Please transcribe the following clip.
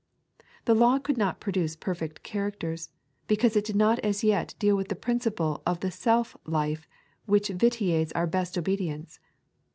The law oould not produce perfect characters, because it did not as yet deal with the principle of the self life which vitiates our best obedience.